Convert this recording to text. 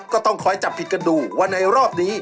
ก็ต้องคอยจับผิดกันดูว่าในรอบนี้